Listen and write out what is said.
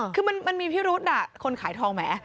คือมันมีพี่รุ๊ดน่ะคนขายทองแหม